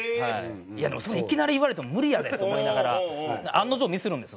いやそんないきなり言われても無理やでと思いながら。